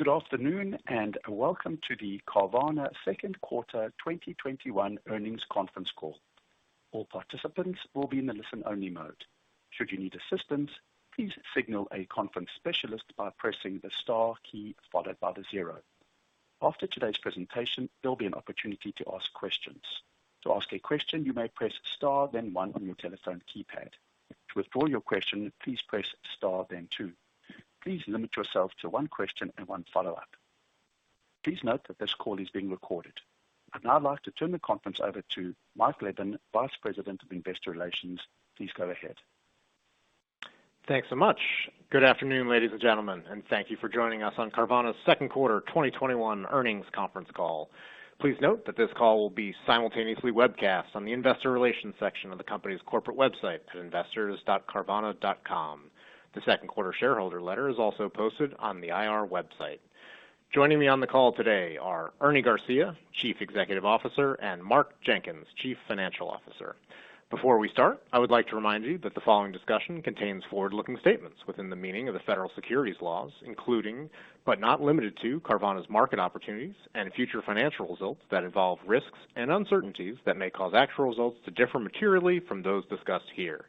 Good afternoon, and welcome to the Carvana Second Quarter 2021 Earnings Conference Call. I'd now like to turn the conference over to Mike Levin, Vice President of Investor Relations. Please go ahead. Thanks so much. Good afternoon, ladies and gentlemen, and thank you for joining us on Carvana's Second Quarter 2021 Earnings Conference Call. Please note that this call will be simultaneously webcast on the investor relations section of the company's corporate website at investors.carvana.com. The second quarter shareholder letter is also posted on the IR website. Joining me on the call today are Ernie Garcia, Chief Executive Officer, and Mark Jenkins, Chief Financial Officer. Before we start, I would like to remind you that the following discussion contains forward-looking statements within the meaning of the federal securities laws, including, but not limited to, Carvana's market opportunities and future financial results that involve risks and uncertainties that may cause actual results to differ materially from those discussed here.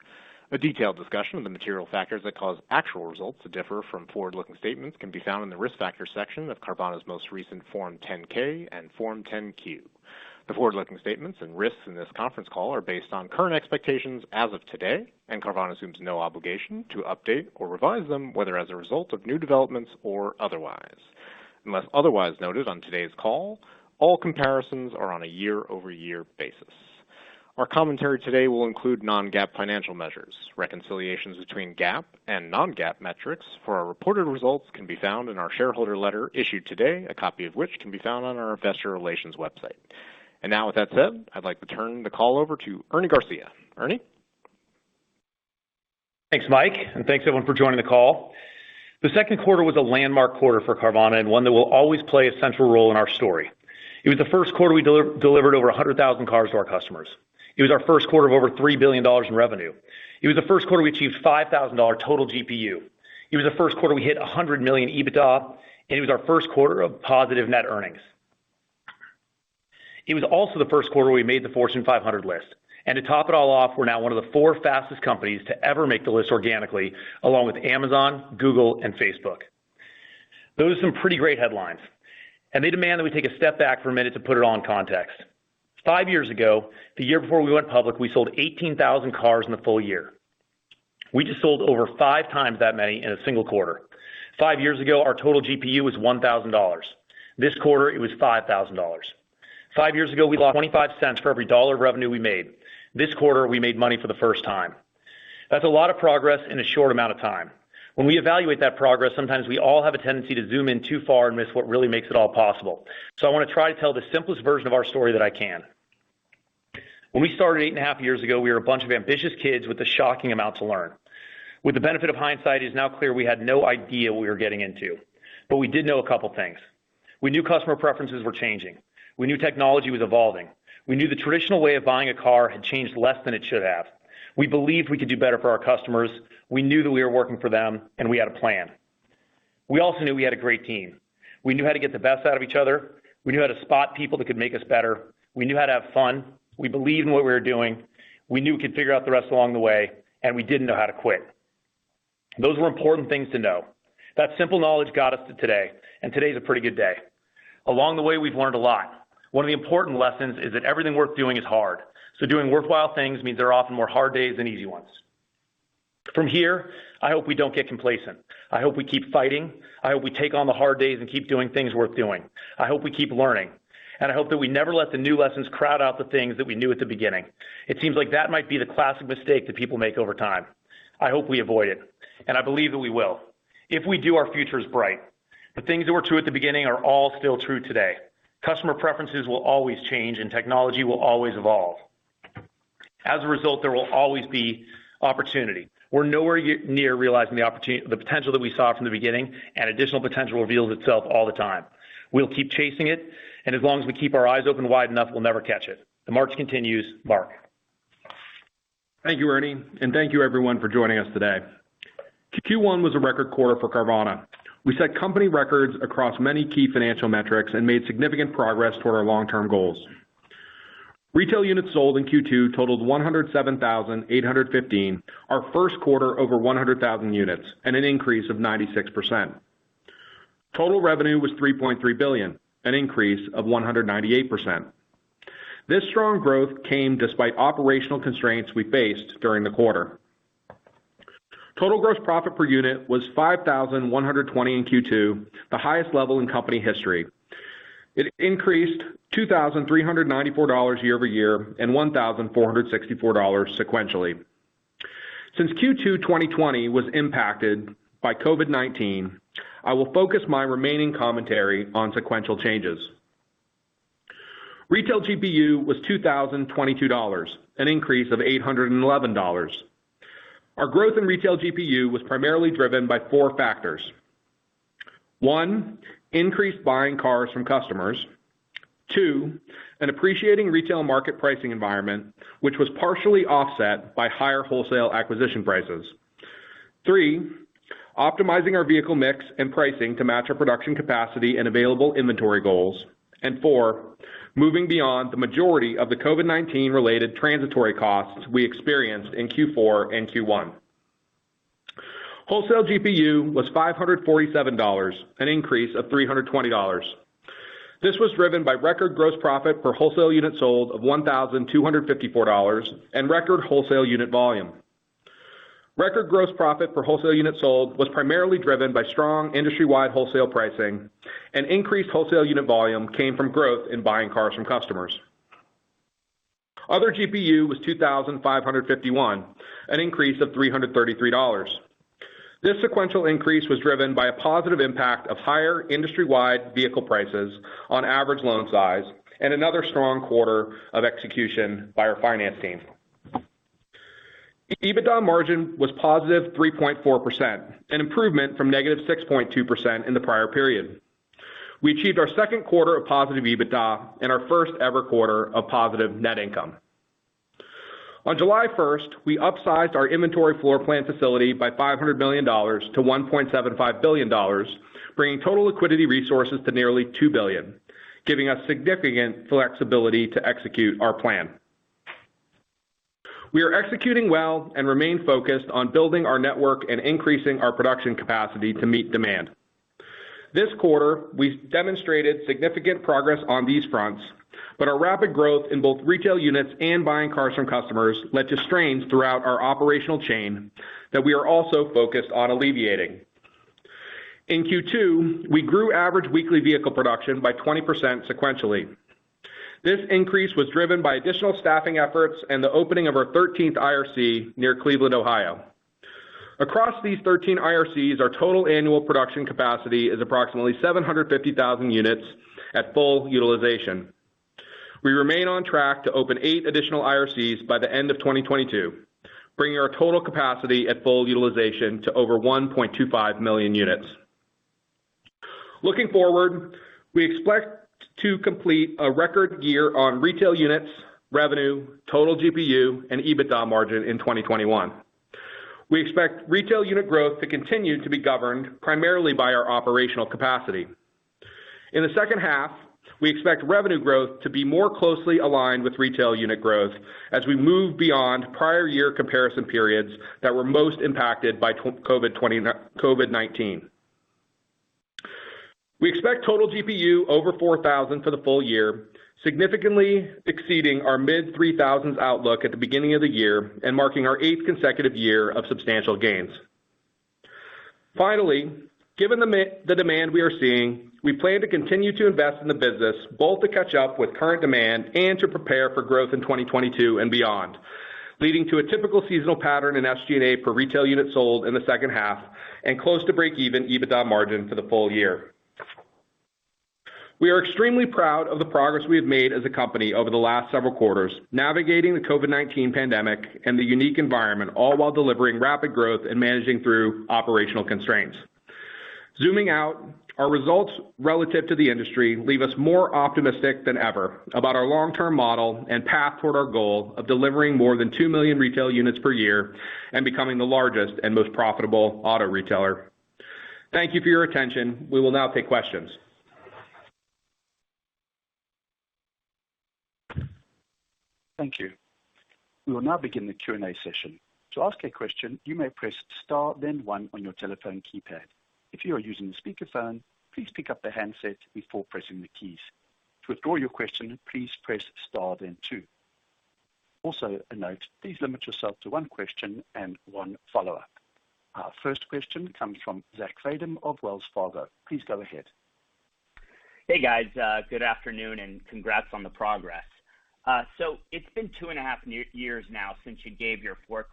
A detailed discussion of the material factors that cause actual results to differ from forward-looking statements can be found in the Risk Factors section of Carvana's most recent Form 10-K and Form 10-Q. The forward-looking statements and risks in this conference call are based on current expectations as of today. Carvana assumes no obligation to update or revise them, whether as a result of new developments or otherwise. Unless otherwise noted on today's call, all comparisons are on a year-over-year basis. Our commentary today will include non-GAAP financial measures. Reconciliations between GAAP and non-GAAP metrics for our reported results can be found in our shareholder letter issued today, a copy of which can be found on our investor relations website. Now with that said, I'd like to turn the call over to Ernie Garcia. Ernie? Thanks, Mike, and thanks, everyone, for joining the call. The second quarter was a landmark quarter for Carvana, and one that will always play a central role in our story. It was the first quarter we delivered over 100,000 cars to our customers. It was our first quarter of over $3 billion in revenue. It was the first quarter we achieved $5,000 total GPU. It was the first quarter we hit $100 million EBITDA, and it was our first quarter of positive net earnings. It was also the first quarter we made the Fortune 500 list. To top it all off, we're now one of the four fastest companies to ever make the list organically, along with Amazon, Google, and Facebook. Those are some pretty great headlines, and they demand that we take a step back for a minute to put it all in context. Five years ago, the year before we went public, we sold 18,000 cars in the full year. We just sold over five times that many in a single quarter. Five years ago, our total GPU was $1,000. This quarter it was $5,000. Five years ago, we lost $0.25 for every dollar of revenue we made. This quarter, we made money for the first time. That's a lot of progress in a short amount of time. When we evaluate that progress, sometimes we all have a tendency to zoom in too far and miss what really makes it all possible. I want to try to tell the simplest version of our story that I can. When we started eight and a half years ago, we were a bunch of ambitious kids with a shocking amount to learn. With the benefit of hindsight, it is now clear we had no idea what we were getting into. We did know a couple things. We knew customer preferences were changing. We knew technology was evolving. We knew the traditional way of buying a car had changed less than it should have. We believed we could do better for our customers. We knew that we were working for them, and we had a plan. We also knew we had a great team. We knew how to get the best out of each other, we knew how to spot people that could make us better, we knew how to have fun, we believed in what we were doing, we knew we could figure out the rest along the way, and we didn't know how to quit. Those were important things to know. That simple knowledge got us to today, and today is a pretty good day. Along the way, we've learned a lot. One of the important lessons is that everything worth doing is hard. Doing worthwhile things means there are often more hard days than easy ones. From here, I hope we don't get complacent. I hope we keep fighting. I hope we take on the hard days and keep doing things worth doing. I hope we keep learning, and I hope that we never let the new lessons crowd out the things that we knew at the beginning. It seems like that might be the classic mistake that people make over time. I hope we avoid it, and I believe that we will. If we do, our future is bright. The things that were true at the beginning are all still true today. Customer preferences will always change, and technology will always evolve. As a result, there will always be opportunity. We're nowhere near realizing the potential that we saw from the beginning, and additional potential reveals itself all the time. We'll keep chasing it, and as long as we keep our eyes open wide enough, we'll never catch it. The march continues. Mark. Thank you, Ernie, and thank you, everyone, for joining us today. Q1 was a record quarter for Carvana. We set company records across many key financial metrics and made significant progress toward our long-term goals. Retail units sold in Q2 totaled 107,815, our first quarter over 100,000 units, and an increase of 96%. Total revenue was $3.3 billion, an increase of 198%. This strong growth came despite operational constraints we faced during the quarter. Total gross profit per unit was $5,120 in Q2, the highest level in company history. It increased $2,394 year-over-year and $1,464 sequentially. Since Q2 2020 was impacted by COVID-19, I will focus my remaining commentary on sequential changes. Retail GPU was $2,022, an increase of $811. Our growth in retail GPU was primarily driven by four factors. One, increased buying cars from customers. Two, an appreciating retail market pricing environment, which was partially offset by higher wholesale acquisition prices. Three, optimizing our vehicle mix and pricing to match our production capacity and available inventory goals. And four, moving beyond the majority of the COVID-19 related transitory costs we experienced in Q4 and Q1. Wholesale GPU was $547, an increase of $320. This was driven by record gross profit per wholesale unit sold of $1,254 and record wholesale unit volume. Record gross profit per wholesale unit sold was primarily driven by strong industry-wide wholesale pricing. Increased wholesale unit volume came from growth in buying cars from customers. Other GPU was $2,551, an increase of $333. This sequential increase was driven by a positive impact of higher industry-wide vehicle prices on average loan size, and another strong quarter of execution by our finance team. EBITDA margin was positive 3.4%, an improvement from negative 6.2% in the prior period. We achieved our second quarter of positive EBITDA and our first-ever quarter of positive net income. On July 1st, we upsized our inventory floor plan facility by $500 million-$1.75 billion, bringing total liquidity resources to nearly $2 billion, giving us significant flexibility to execute our plan. We are executing well and remain focused on building our network and increasing our production capacity to meet demand. This quarter, we've demonstrated significant progress on these fronts, but our rapid growth in both retail units and buying cars from customers led to strains throughout our operational chain that we are also focused on alleviating. In Q2, we grew average weekly vehicle production by 20% sequentially. This increase was driven by additional staffing efforts and the opening of our 13th IRC near Cleveland, Ohio. Across these 13 IRCs, our total annual production capacity is approximately 750,000 units at full utilization. We remain on track to open eight additional IRCs by the end of 2022, bringing our total capacity at full utilization to over 1.25 million units. Looking forward, we expect to complete a record year on retail units, revenue, total GPU, and EBITDA margin in 2021. We expect retail unit growth to continue to be governed primarily by our operational capacity. In the second half, we expect revenue growth to be more closely aligned with retail unit growth as we move beyond prior year comparison periods that were most impacted by COVID-19. We expect total GPU over $4,000 for the full year, significantly exceeding our mid-$3,000s outlook at the beginning of the year and marking our eighth consecutive year of substantial gains. Finally, given the demand we are seeing, we plan to continue to invest in the business, both to catch up with current demand and to prepare for growth in 2022 and beyond, leading to a typical seasonal pattern in SG&A per retail unit sold in the second half and close to break even EBITDA margin for the full year. We are extremely proud of the progress we have made as a company over the last several quarters, navigating the COVID-19 pandemic and the unique environment, all while delivering rapid growth and managing through operational constraints. Zooming out, our results relative to the industry leave us more optimistic than ever about our long-term model and path toward our goal of delivering more than 2 million retail units per year and becoming the largest and most profitable auto retailer. Thank you for your attention. We will now take questions. Thank you. We will now begin the Q&A session. To ask a question, you may press star then one on your telephone keypad. If you are using the speakerphone, please pick up the handset before pressing the keys. To withdraw your question, please press star then two. Also, a note, please limit yourself to one question and one follow-up. Our first question comes from Zach Fadem of Wells Fargo. Please go ahead. Hey, guys. Good afternoon, and congrats on the progress. It's been two and half years now since you gave your $4,000+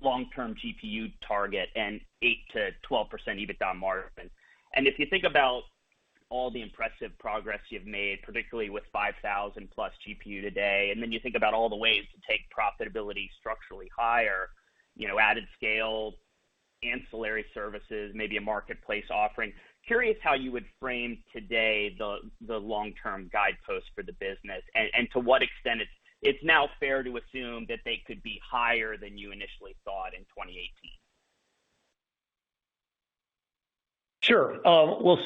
long-term GPU target and 8%-12% EBITDA margin. If you think about all the impressive progress you've made, particularly with $5,000+ GPU today, and then you think about all the ways to take profitability structurally higher, added scale, ancillary services, maybe a marketplace offering, curious how you would frame today the long-term guideposts for the business and to what extent it's now fair to assume that they could be higher than you initially thought in 2018? Sure. Well,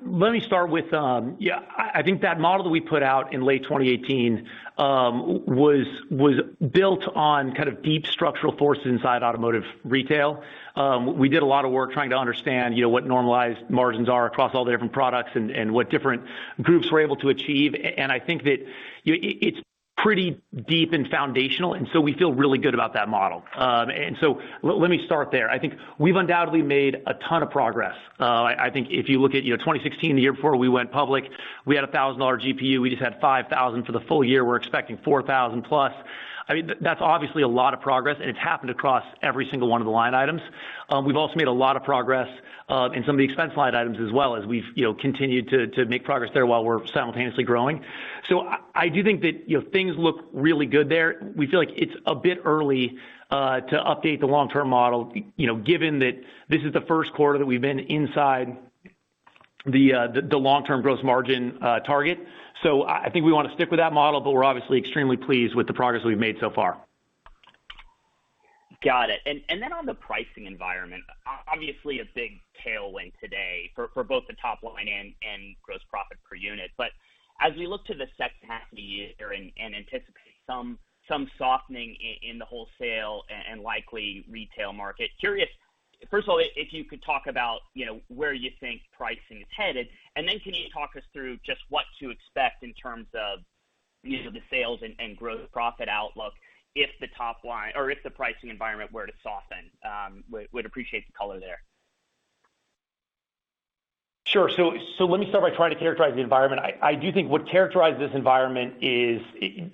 let me start with, I think that model that we put out in late 2018 was built on deep structural forces inside automotive retail. We did a lot of work trying to understand what normalized margins are across all the different products and what different groups were able to achieve. I think that it's pretty deep and foundational, so we feel really good about that model. Let me start there. I think we've undoubtedly made a ton of progress. I think if you look at 2016, the year before we went public, we had a $1,000 GPU. We just had $5,000 for the full year. We're expecting $4,000+. That's obviously a lot of progress, and it's happened across every single 1 of the line items. We've also made a lot of progress in some of the expense line items as well, as we've continued to make progress there while we're simultaneously growing. I do think that things look really good there. We feel like it's a bit early to update the long-term model, given that this is the first quarter that we've been inside the long-term gross margin target. I think we want to stick with that model, but we're obviously extremely pleased with the progress we've made so far. Got it. On the pricing environment, obviously a big tailwind today for both the top line and gross profit per unit. As we look to the second half of the year and anticipate some softening in the wholesale and likely retail market, curious, first of all, if you could talk about where you think pricing is headed, and then can you talk us through just what to expect in terms of the sales and gross profit outlook if the pricing environment were to soften? Would appreciate the color there. Sure. Let me start by trying to characterize the environment. I do think what characterizes this environment is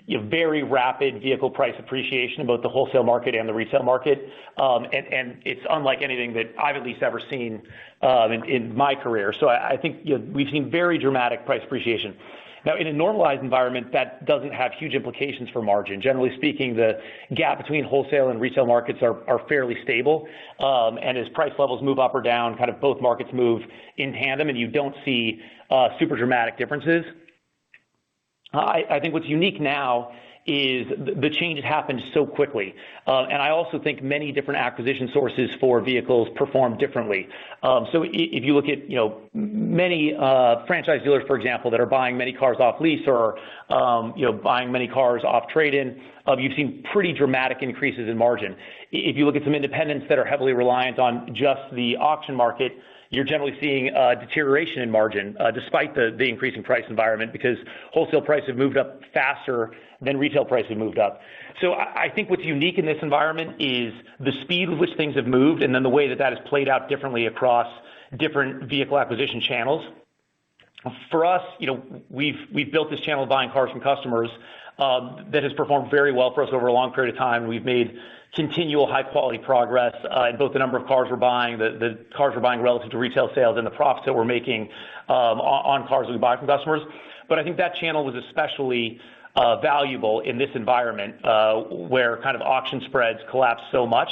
very rapid vehicle price appreciation in both the wholesale market and the retail market. It's unlike anything that I've at least ever seen in my career. I think we've seen very dramatic price appreciation. Now in a normalized environment, that doesn't have huge implications for margin. Generally speaking, the gap between wholesale and retail markets are fairly stable. As price levels move up or down, both markets move in tandem, and you don't see super dramatic differences. I think what's unique now is the change happened so quickly. I also think many different acquisition sources for vehicles perform differently.;; If you look at many franchise dealers, for example, that are buying many cars off lease or buying many cars off trade-in, you've seen pretty dramatic increases in margin. If you look at some independents that are heavily reliant on just the auction market, you're generally seeing a deterioration in margin despite the increase in price environment, because wholesale price have moved up faster than retail price have moved up. I think what's unique in this environment is the speed with which things have moved, and then the way that that has played out differently across different vehicle acquisition channels. For us, we've built this channel of buying cars from customers that has performed very well for us over a long period of time. We've made continual high quality progress in both the number of cars we're buying, the cars we're buying relative to retail sales, and the profits that we're making on cars that we buy from customers. I think that channel was especially valuable in this environment, where auction spreads collapsed so much.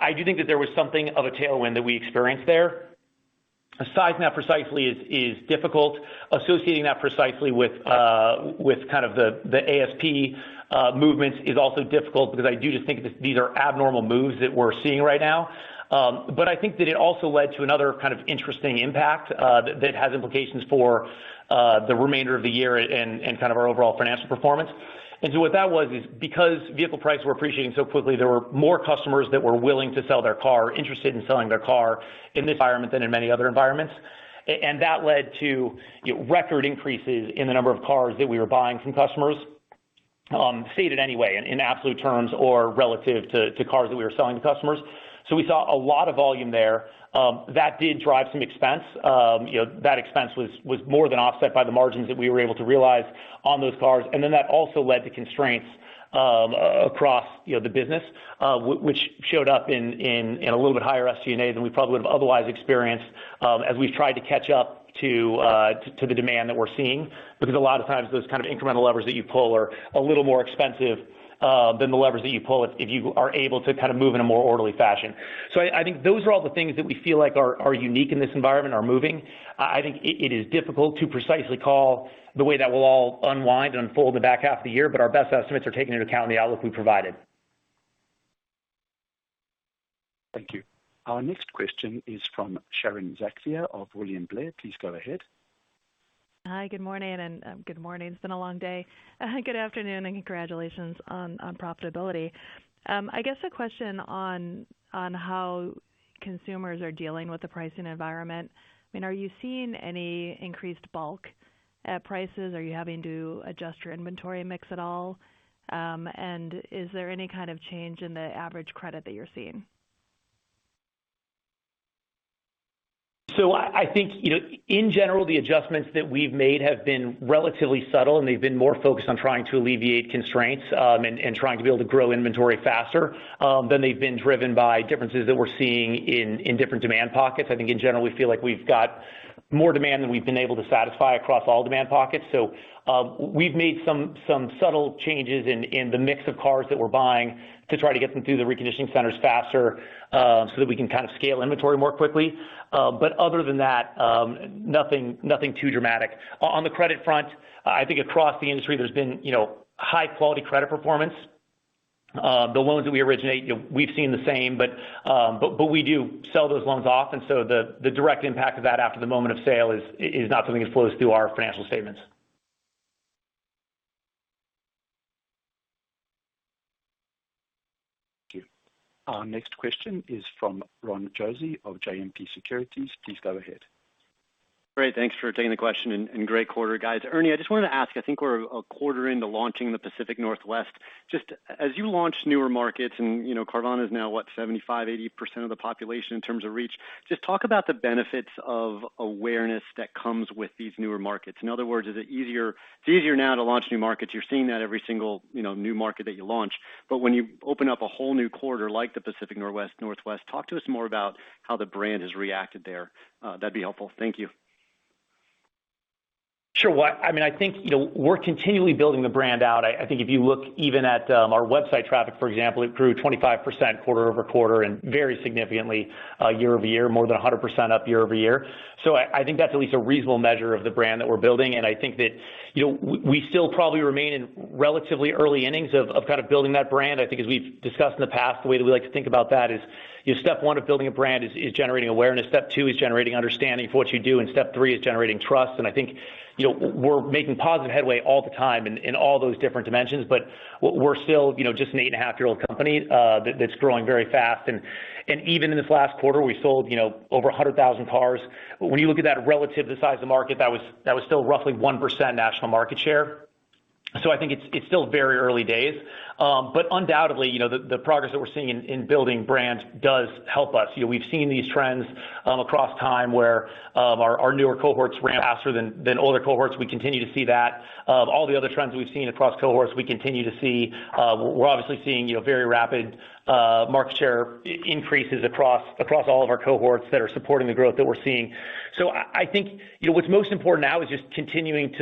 I do think that there was something of a tailwind that we experienced there. Sizing that precisely is difficult. Associating that precisely with the ASP movements is also difficult because I do just think that these are abnormal moves that we're seeing right now. I think that it also led to another kind of interesting impact that has implications for the remainder of the year and our overall financial performance. What that was is because vehicle prices were appreciating so quickly, there were more customers that were willing to sell their car, interested in selling their car in this environment than in many other environments. That led to record increases in the number of cars that we were buying from customers, stated anyway, in absolute terms or relative to cars that we were selling to customers. We saw a lot of volume there. That did drive some expense. That expense was more than offset by the margins that we were able to realize on those cars. That also led to constraints across the business, which showed up in a little bit higher SG&As than we probably would've otherwise experienced as we've tried to catch up to the demand that we're seeing. Because a lot of times those kind of incremental levers that you pull are a little more expensive than the levers that you pull if you are able to move in a more orderly fashion. I think those are all the things that we feel like are unique in this environment, are moving. I think it is difficult to precisely call the way that will all unwind and unfold in the back half of the year. Our best estimates are taken into account in the outlook we provided. Thank you. Our next question is from Sharon Zackfia of William Blair. Please go ahead. Hi, good morning. Good morning, it's been a long day. Good afternoon and congratulations on profitability. I guess a question on how consumers are dealing with the pricing environment. Are you seeing any increased balk at prices? Are you having to adjust your inventory mix at all? Is there any kind of change in the average credit that you're seeing? I think, in general, the adjustments that we've made have been relatively subtle, and they've been more focused on trying to alleviate constraints, and trying to be able to grow inventory faster than they've been driven by differences that we're seeing in different demand pockets. I think in general, we feel like we've got more demand than we've been able to satisfy across all demand pockets. We've made some subtle changes in the mix of cars that we're buying to try to get them through the reconditioning centers faster so that we can scale inventory more quickly. Other than that, nothing too dramatic. On the credit front, I think across the industry, there's been high-quality credit performance. The loans that we originate, we've seen the same, but we do sell those loans off. The direct impact of that after the moment of sale is not something that flows through our financial statements. Thank you. Our next question is from Ron Josey of JMP Securities. Please go ahead. Great. Thanks for taking the question. Great quarter, guys. Ernie, I just wanted to ask. I think we're a quarter into launching in the Pacific Northwest. Just as you launch newer markets, and Carvana is now what, 75%, 80% of the population in terms of reach, just talk about the benefits of awareness that comes with these newer markets. In other words, it's easier now to launch new markets. You're seeing that every single new market that you launch. When you open up a whole new corridor like the Pacific Northwest, talk to us more about how the brand has reacted there. That'd be helpful. Thank you. Sure. I think we're continually building the brand out. I think if you look even at our website traffic, for example, it grew 25% quarter-over-quarter and very significantly year-over-year, more than 100% up year-over-year. I think that's at least a reasonable measure of the brand that we're building, and I think that we still probably remain in relatively early innings of building that brand. I think as we've discussed in the past, the way that we like to think about that is step one of building a brand is generating awareness, step two is generating understanding of what you do, and step three is generating trust. I think we're making positive headway all the time in all those different dimensions. We're still just an eight-and-a-half-year-old company that's growing very fast. Even in this last quarter, we sold over 100,000 cars. When you look at that relative to the size of the market, that was still roughly 1% national market share. I think it's still very early days. Undoubtedly, the progress that we're seeing in building brands does help us. We've seen these trends across time where our newer cohorts ramp faster than older cohorts. We continue to see that. All the other trends we've seen across cohorts, we continue to see. We're obviously seeing very rapid market share increases across all of our cohorts that are supporting the growth that we're seeing. I think what's most important now is just continuing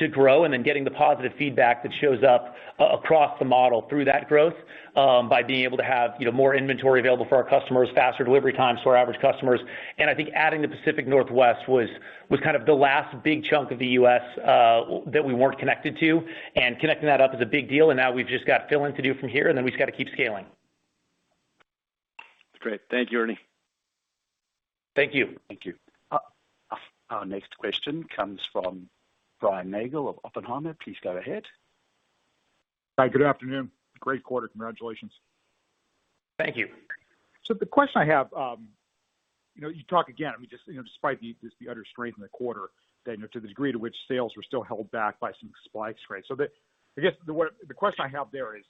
to grow and then getting the positive feedback that shows up across the model through that growth by being able to have more inventory available for our customers, faster delivery times for our average customers. I think adding the Pacific Northwest was the last big chunk of the U.S. that we weren't connected to. Connecting that up is a big deal. Now we've just got fill-ins to do from here. Then we've just got to keep scaling. Great. Thank you, Ernie. Thank you. Thank you. Our next question comes from Brian Nagel of Oppenheimer. Please go ahead. Hi, good afternoon. Great quarter. Congratulations. Thank you. The question I have, you talk again, despite the utter strain in the quarter, to the degree to which sales were still held back by some supply constraints. I guess the question I have there is,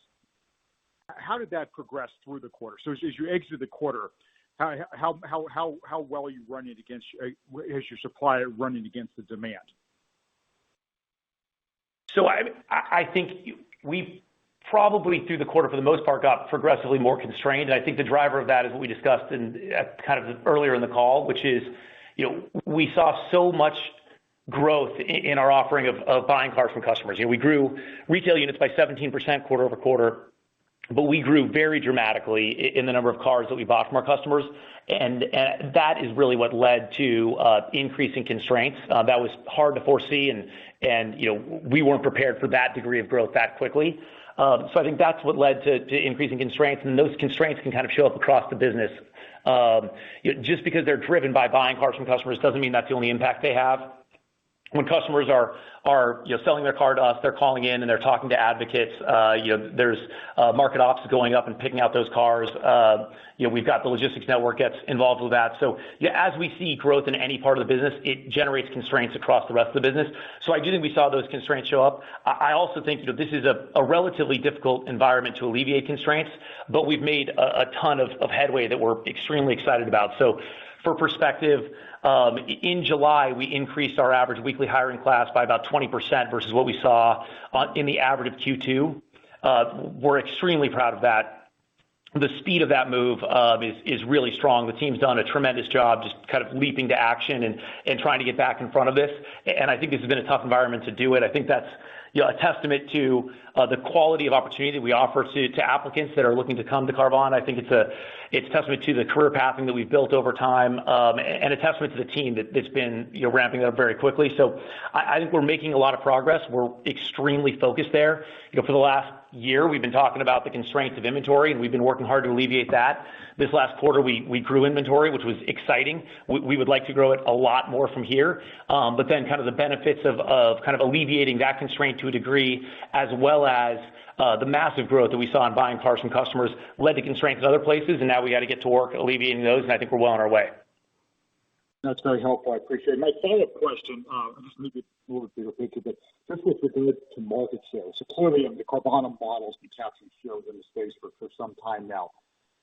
how did that progress through the quarter? As you exit the quarter, how well is your supply running against the demand? I think we probably, through the quarter for the most part, got progressively more constrained, and I think the driver of that is what we discussed earlier in the call, which is we saw so much growth in our offering of buying cars from customers. We grew retail units by 17% quarter-over-quarter, but we grew very dramatically in the number of cars that we bought from our customers, and that is really what led to increasing constraints. That was hard to foresee, and we weren't prepared for that degree of growth that quickly. I think that's what led to increasing constraints, and those constraints can show up across the business. Just because they're driven by buying cars from customers doesn't mean that's the only impact they have. When customers are selling their car to us, they're calling in, and they're talking to advocates. There's market ops going up and picking out those cars. We've got the logistics network that's involved with that. As we see growth in any part of the business, it generates constraints across the rest of the business. I do think we saw those constraints show up. I also think that this is a relatively difficult environment to alleviate constraints, but we've made a ton of headway that we're extremely excited about. For perspective, in July, we increased our average weekly hiring class by about 20% versus what we saw in the average of Q2. We're extremely proud of that. The speed of that move is really strong. The team's done a tremendous job just leaping to action and trying to get back in front of this. I think this has been a tough environment to do it. I think that's a testament to the quality of opportunity that we offer to applicants that are looking to come to Carvana. I think it's a testament to the career pathing that we've built over time, and a testament to the team that's been ramping up very quickly. I think we're making a lot of progress. We're extremely focused there. For the last year, we've been talking about the constraints of inventory, and we've been working hard to alleviate that. This last quarter, we grew inventory, which was exciting. We would like to grow it a lot more from here. The benefits of alleviating that constraint to a degree, as well as the massive growth that we saw in buying cars from customers led to constraints in other places, and now we got to get to work alleviating those, and I think we're well on our way. That's very helpful. I appreciate it. My follow-up question, I just need a little bit of thinking, but this is related to market share. Clearly the Carvana model's been capturing share in the space for some time now.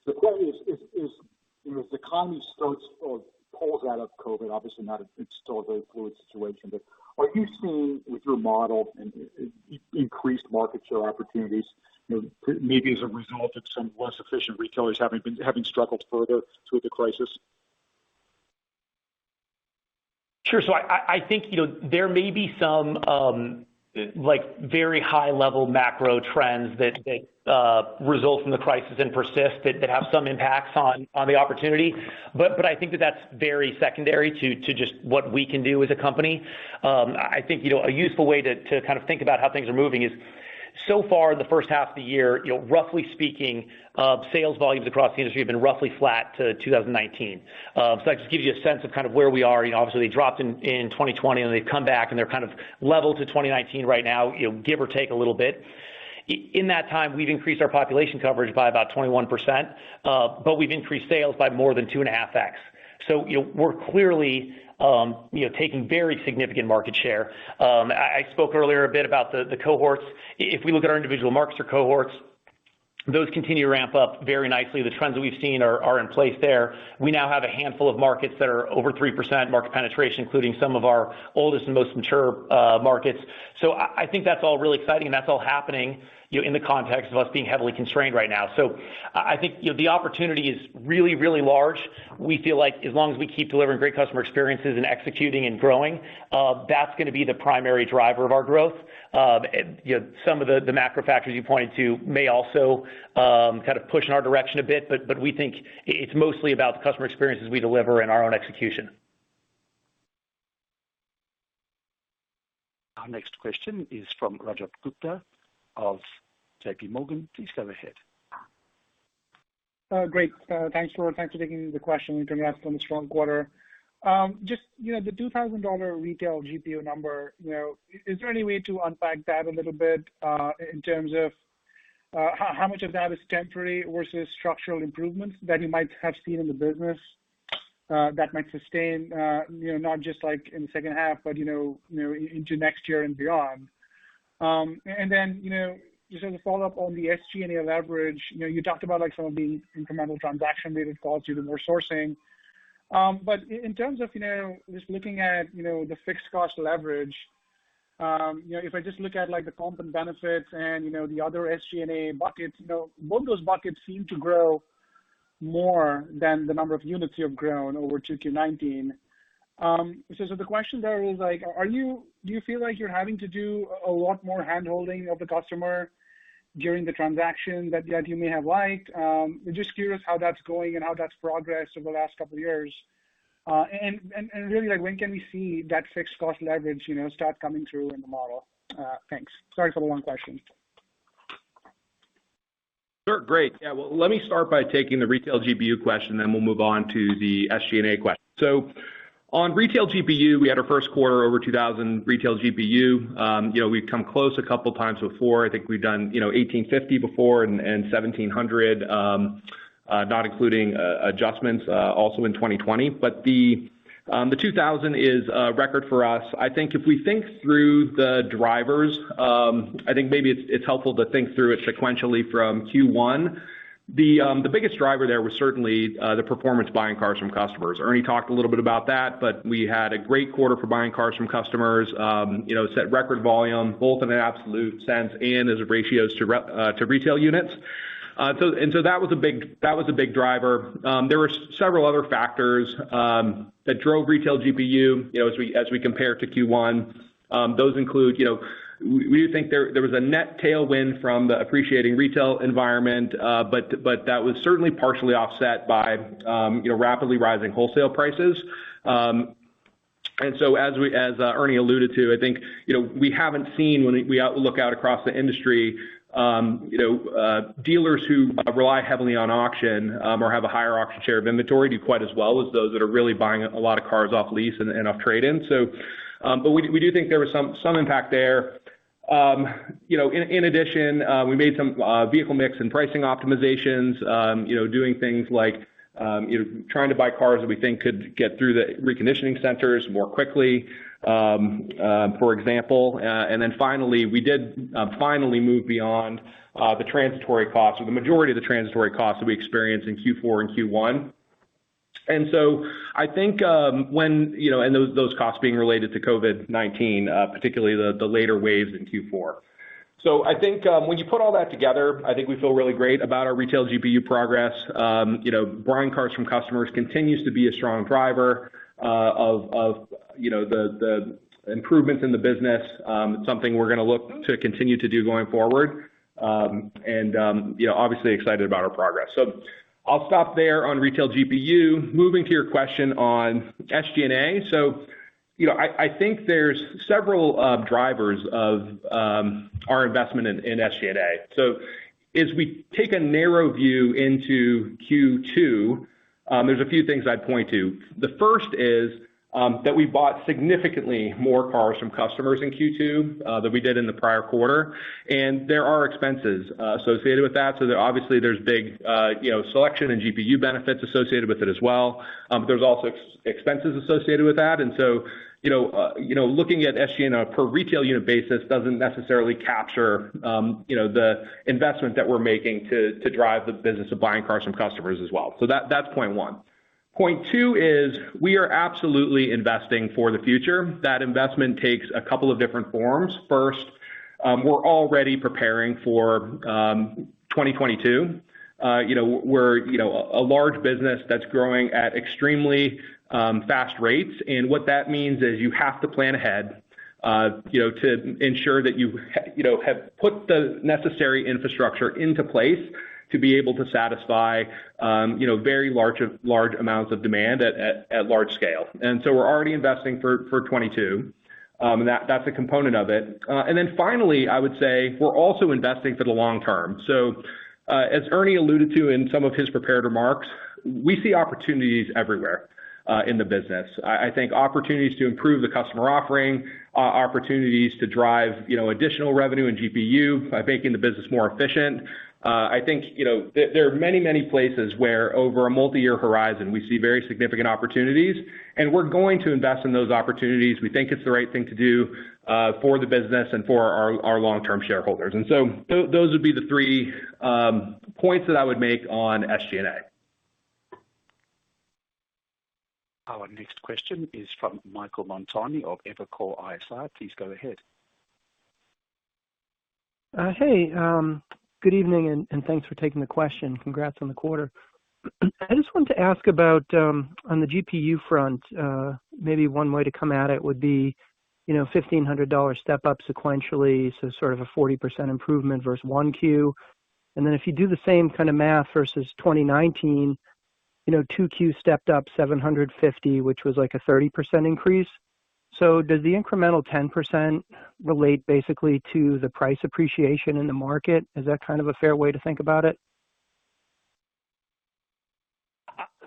The question is, as the economy starts to pull out of COVID, obviously it's still a very fluid situation, but are you seeing with your model increased market share opportunities, maybe as a result of some less efficient retailers having struggled further through the crisis? Sure. I think there may be some very high-level macro trends that result from the crisis and persist that have some impacts on the opportunity. I think that that's very secondary to just what we can do as a company. I think a useful way to think about how things are moving is so far in the first half of the year, roughly speaking, sales volumes across the industry have been roughly flat to 2019. That just gives you a sense of where we are. Obviously, they dropped in 2020, and they've come back, and they're level to 2019 right now, give or take a little bit. In that time, we've increased our population coverage by about 21%, but we've increased sales by more than 2.5x. We're clearly taking very significant market share. I spoke earlier a bit about the cohorts. If we look at our individual markets or cohorts, those continue to ramp up very nicely. The trends that we've seen are in place there. We now have a handful of markets that are over 3% market penetration, including some of our oldest and most mature markets. I think that's all really exciting, and that's all happening in the context of us being heavily constrained right now. I think the opportunity is really, really large. We feel like as long as we keep delivering great customer experiences and executing and growing, that's going to be the primary driver of our growth. Some of the macro factors you pointed to may also kind of push in our direction a bit, but we think it's mostly about the customer experiences we deliver and our own execution. Our next question is from Rajat Gupta of JPMorgan. Please go ahead. Great. Thanks a lot. Thanks for taking the question, congrats on the strong quarter. Just the $2,000 retail GPU number, is there any way to unpack that a little bit, in terms of how much of that is temporary versus structural improvements that you might have seen in the business that might sustain, not just in the second half but into next year and beyond? Just as a follow-up on the SG&A leverage, you talked about some of the incremental transaction-related costs due to more sourcing. In terms of just looking at the fixed cost leverage, if I just look at the comp and benefits and the other SG&A buckets, none of those buckets seem to grow more than the number of units you've grown over to Q 2019. The question there is do you feel like you're having to do a lot more hand-holding of the customer during the transaction that you may have liked? I'm just curious how that's going and how that's progressed over the last couple of years. Really, when can we see that fixed cost leverage start coming through in the model? Thanks. Sorry for the long question. Sure, great. Let me start by taking the retail GPU question, then we'll move on to the SG&A question. On retail GPU, we had our first quarter over $2,000 retail GPU. We've come close a couple of times before. I think we've done $1,850 before and $1,700, not including adjustments also in 2020. The $2,000 is a record for us. I think if we think through the drivers, I think maybe it's helpful to think through it sequentially from Q1. The biggest driver there was certainly the performance buying cars from customers. Ernie talked a little bit about that, we had a great quarter for buying cars from customers. Set record volume, both in an absolute sense and as ratios to retail units. That was a big driver. There were several other factors that drove retail GPU, as we compare to Q1. Those include, we think there was a net tailwind from the appreciating retail environment, that was certainly partially offset by rapidly rising wholesale prices. As Ernie alluded to, I think, we haven't seen when we look out across the industry, dealers who rely heavily on auction or have a higher auction share of inventory do quite as well as those that are really buying a lot of cars off lease and off trade-in. We do think there was some impact there. In addition, we made some vehicle mix and pricing optimizations, doing things like trying to buy cars that we think could get through the reconditioning centers more quickly, for example. Finally, we did finally move beyond the transitory costs or the majority of the transitory costs that we experienced in Q4 and Q1. Those costs being related to COVID-19, particularly the later waves in Q4. I think when you put all that together, I think we feel really great about our retail GPU progress. Buying cars from customers continues to be a strong driver of the improvements in the business. It's something we're going to look to continue to do going forward. Obviously excited about our progress. I'll stop there on retail GPU. Moving to your question on SG&A. I think there's several drivers of our investment in SG&A. As we take a narrow view into Q2, there's a few things I'd point to. The first is that we bought significantly more cars from customers in Q2 than we did in the prior quarter, and there are expenses associated with that. Obviously there's big selection and GPU benefits associated with it as well. There's also expenses associated with that. Looking at SG&A on a per retail unit basis doesn't necessarily capture the investment that we're making to drive the business of buying cars from customers as well. That's point one. Point two is we are absolutely investing for the future. That investment takes a couple of different forms. First, we're already preparing for 2022. We're a large business that's growing at extremely fast rates, and what that means is you have to plan ahead to ensure that you have put the necessary infrastructure into place to be able to satisfy very large amounts of demand at large scale. We're already investing for 2022. That's a component of it. Finally, I would say we're also investing for the long term. As Ernie alluded to in some of his prepared remarks, we see opportunities everywhere in the business. I think opportunities to improve the customer offering, opportunities to drive additional revenue in GPU by making the business more efficient. I think there are many, many places where over a multi-year horizon, we see very significant opportunities, and we're going to invest in those opportunities. We think it's the right thing to do for the business and for our long-term shareholders. Those would be the three points that I would make on SG&A. Our next question is from Michael Montani of Evercore ISI. Please go ahead. Hey, good evening, and thanks for taking the question. Congrats on the quarter. I just wanted to ask about on the GPU front, maybe one way to come at it would be $1,500 step-up sequentially, so sort of a 40% improvement versus 1Q. If you do the same kind of math versus 2019, 2Q stepped up $750, which was like a 30% increase. Does the incremental 10% relate basically to the price appreciation in the market? Is that kind of a fair way to think about it?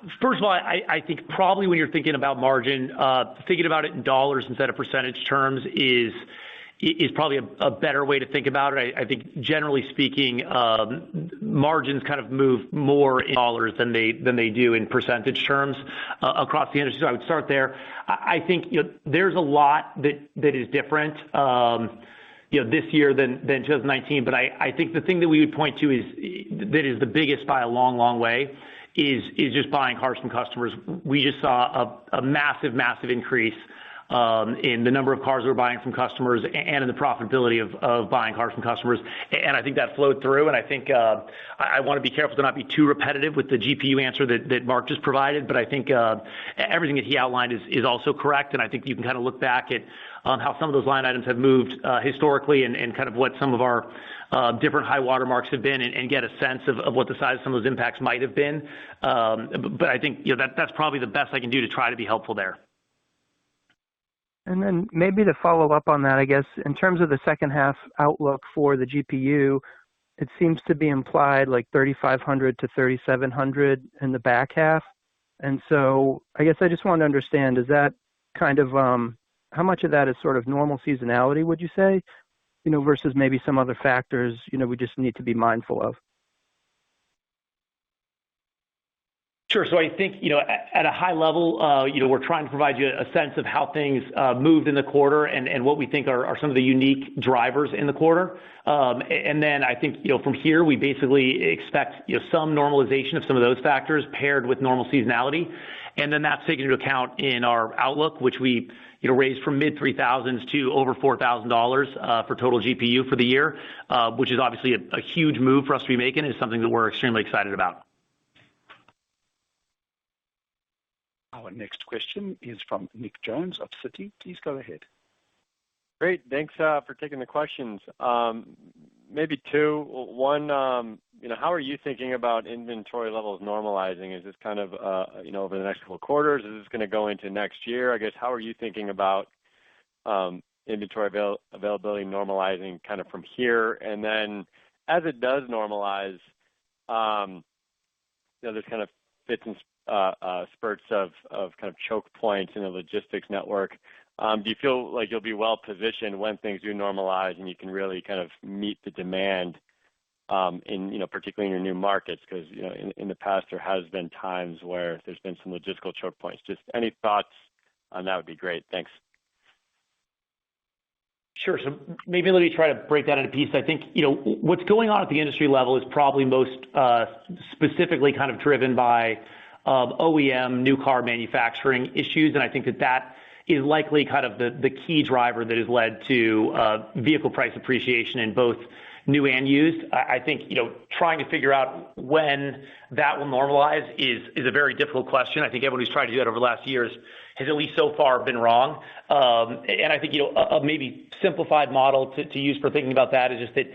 I think probably when you're thinking about margin, thinking about it in dollars instead of percentage terms is probably a better way to think about it. I think generally speaking, margins move more in dollars than they do in percentage terms across the industry. I would start there. I think there's a lot that is different this year than 2019. I think the thing that we would point to that is the biggest by a long way is just buying cars from customers. We just saw a massive increase in the number of cars we're buying from customers and in the profitability of buying cars from customers. I think that flowed through. I think I want to be careful to not be too repetitive with the GPU answer that Mark just provided. I think everything that he outlined is also correct, and I think you can look back at how some of those line items have moved historically and what some of our different high water marks have been and get a sense of what the size of some of those impacts might have been. I think that's probably the best I can do to try to be helpful there. Maybe to follow up on that, I guess, in terms of the second half outlook for the GPU, it seems to be implied like $3,500-$3,700 in the back half. I guess I just want to understand, how much of that is sort of normal seasonality, would you say, versus maybe some other factors we just need to be mindful of? Sure. I think at a high level, we're trying to provide you a sense of how things moved in the quarter and what we think are some of the unique drivers in the quarter. I think from here we basically expect some normalization of some of those factors paired with normal seasonality. That's taken into account in our outlook, which we raised from mid-$3,000 to over $4,000 for total GPU for the year, which is obviously a huge move for us to be making. It's something that we're extremely excited about. Our next question is from Nick Jones of Citi. Please go ahead. Great. Thanks for taking the questions. Maybe two. One, how are you thinking about inventory levels normalizing? Is this over the next couple of quarters? Is this going to go into next year? I guess, how are you thinking about inventory availability normalizing from here? As it does normalize, there's fits and spurts of choke points in the logistics network. Do you feel like you'll be well-positioned when things do normalize and you can really meet the demand particularly in your new markets? In the past there has been times where there's been some logistical choke points. Just any thoughts on that would be great. Thanks. Sure. Maybe let me try to break that into pieces. I think what's going on at the industry level is probably most specifically driven by OEM new car manufacturing issues. I think that is likely the key driver that has led to vehicle price appreciation in both new and used. I think trying to figure out when that will normalize is a very difficult question. I think everybody's tried to do that over the last years has at least so far been wrong. I think a maybe simplified model to use for thinking about that is just that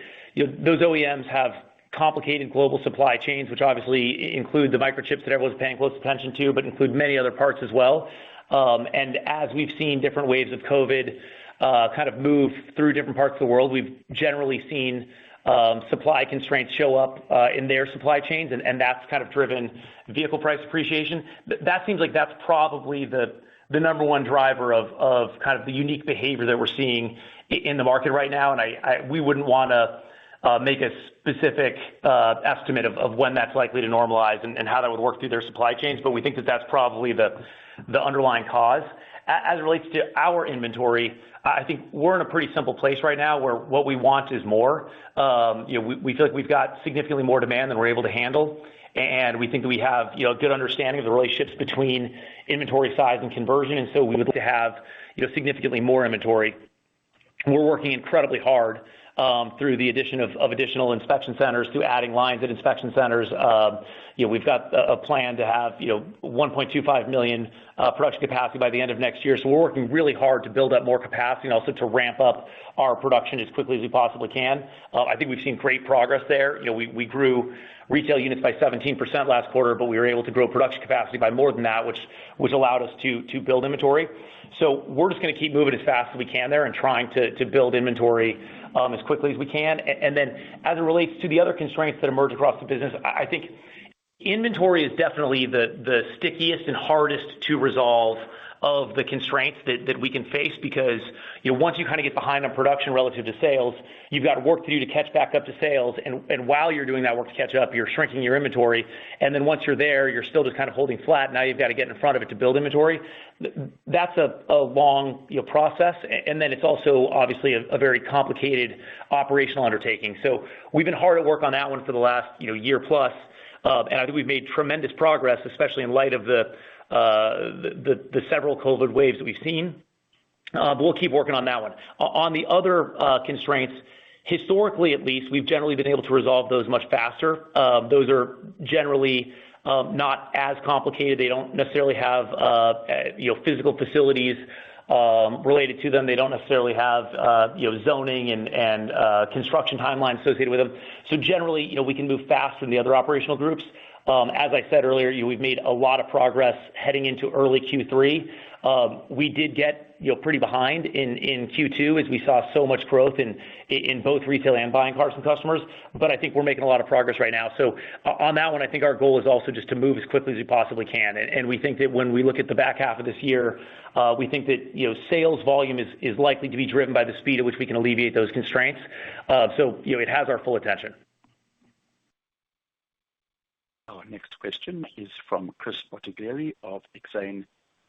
those OEMs have complicated global supply chains, which obviously include the microchips that everyone's paying close attention to, but include many other parts as well. As we've seen different waves of COVID move through different parts of the world, we've generally seen supply constraints show up in their supply chains, and that's driven vehicle price appreciation. That seems like that's probably the number one driver of the unique behavior that we're seeing in the market right now. We wouldn't want to make a specific estimate of when that's likely to normalize and how that would work through their supply chains. We think that that's probably the underlying cause. As it relates to our inventory, I think we're in a pretty simple place right now where what we want is more. We feel like we've got significantly more demand than we're able to handle, and we think that we have a good understanding of the relationships between inventory size and conversion. We would like to have significantly more inventory. We're working incredibly hard through the addition of additional inspection centers, through adding lines at inspection centers. We've got a plan to have 1.25 million production capacity by the end of next year. We're working really hard to build up more capacity and also to ramp up our production as quickly as we possibly can. I think we've seen great progress there. We grew retail units by 17% last quarter, but we were able to grow production capacity by more than that, which allowed us to build inventory. We're just going to keep moving as fast as we can there and trying to build inventory as quickly as we can. As it relates to the other constraints that emerge across the business, I think inventory is definitely the stickiest and hardest to resolve of the constraints that we can face. Once you get behind on production relative to sales, you've got work to do to catch back up to sales. While you're doing that work to catch up, you're shrinking your inventory. Once you're there, you're still just holding flat. You've got to get in front of it to build inventory. That's a long process, and then it's also obviously a very complicated operational undertaking. We've been hard at work on that one for the last year plus. I think we've made tremendous progress, especially in light of the several COVID waves that we've seen. We'll keep working on that one. On the other constraints, historically at least, we've generally been able to resolve those much faster. Those are generally not as complicated. They don't necessarily have physical facilities related to them. They don't necessarily have zoning and construction timelines associated with them. Generally, we can move faster than the other operational groups. As I said earlier, we've made a lot of progress heading into early Q3. We did get pretty behind in Q2 as we saw so much growth in both retail and buying cars from customers. I think we're making a lot of progress right now. On that one, I think our goal is also just to move as quickly as we possibly can. We think that when we look at the back half of this year, we think that sales volume is likely to be driven by the speed at which we can alleviate those constraints. It has our full attention. Our next question is from Chris Bottiglieri of Exane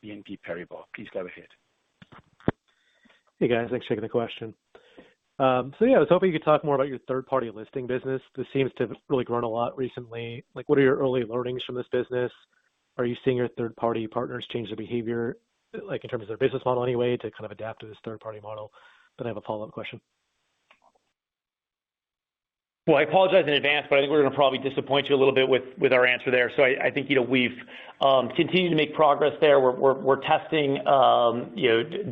BNP Paribas. Please go ahead. Hey, guys. Thanks for taking the question. I was hoping you could talk more about your third-party listing business. This seems to have really grown a lot recently. What are your early learnings from this business? Are you seeing your third-party partners change their behavior, like in terms of their business model any way to kind of adapt to this third-party model? I have a follow-up question. Well, I apologize in advance, I think we're going to probably disappoint you a little bit with our answer there. I think we've continued to make progress there. We're testing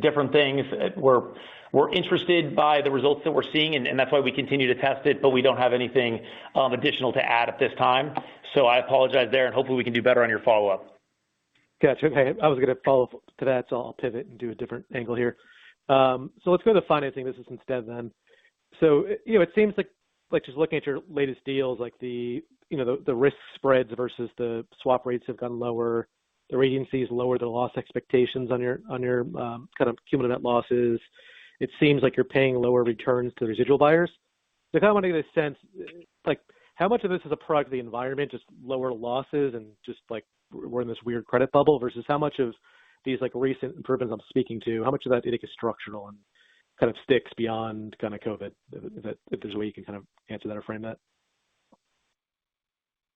different things. We're interested by the results that we're seeing, that's why we continue to test it, we don't have anything additional to add at this time. I apologize there, hopefully we can do better on your follow-up. Gotcha. Okay. I was going to follow to that, I'll pivot and do a different angle here. Let's go to the financing business instead then. It seems like just looking at your latest deals, like the risk spreads versus the swap rates have gone lower, the agencies lower the loss expectations on your cumulative net losses. It seems like you're paying lower returns to residual buyers. I kind of want to get a sense, how much of this is a product of the environment, just lower losses and just like we're in this weird credit bubble versus how much of these recent improvements I'm speaking to, how much of that do you think is structural and kind of sticks beyond COVID-19? If there's a way you can kind of answer that or frame that.